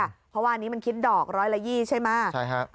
เพราะว่าอันนี้มันคิดดอกร้อยละยี่ใช่ไหม